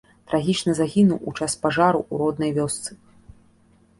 Трагічна загінуў у час пажару ў роднай вёсцы.